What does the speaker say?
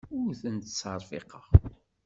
Ur ten-ttserfiqeɣ.